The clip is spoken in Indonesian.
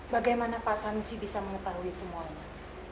bagaimana pak sanusi bisa mengetahui semuanya